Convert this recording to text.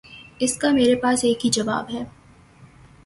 اس کا میرے پاس ایک ہی جواب ہے۔